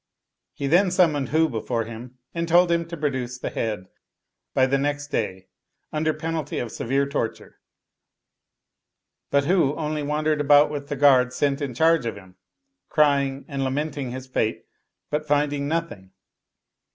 He then summoned Hu before him, and told him to produce the head by the next day under penalty of severe torture; but Hu only wandered about with the guard sent in charge of him, crying and lamenting his fate, but finding nothing.